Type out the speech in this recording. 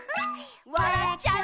「わらっちゃう」